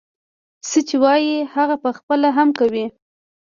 څه چې وايي هغه پخپله هم کوي.